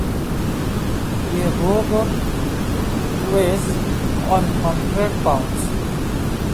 A rowboat weighs on hundred pounds.